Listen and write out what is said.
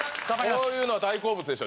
こういうの大好物でしょ